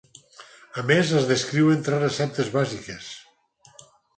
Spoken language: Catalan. A més, es descriuen tres receptes bàsiques.